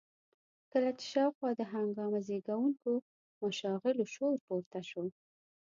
کله چې شاوخوا د هنګامه زېږوونکو مشاغلو شور پورته شي.